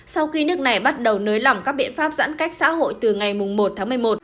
sau khi nước này bắt đầu nới lỏng các biện pháp giãn cách xã hội từ ngày một tháng một mươi một